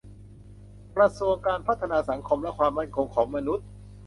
กระทรวงการพัฒนาสังคมและความมั่นคงของมนุษย์